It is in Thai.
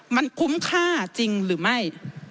มันคุ้มค่าจริงหรือไม่